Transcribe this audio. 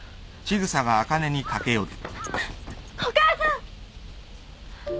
お母さん！